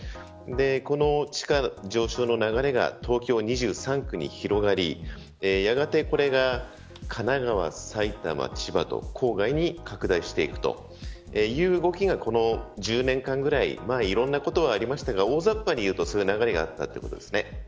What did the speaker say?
この地価上昇の流れが東京２３区に広がりやがてこれが神奈川、埼玉千葉と郊外に拡大していくという動きがこの１０年間ぐらいいろんなことがありましたが大ざっぱにいうと、そういう流れがあったということです。